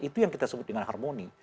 itu yang kita sebut dengan harmoni